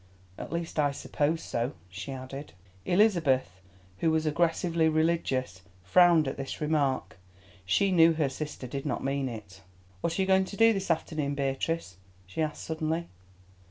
"At least, I suppose so," she added. Elizabeth, who was aggressively religious, frowned at this remark. She knew her sister did not mean it. "What are you going to do this afternoon, Beatrice?" she asked suddenly.